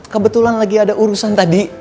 kebetulan lagi ada urusan tadi